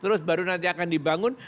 terus baru nanti akan dibangun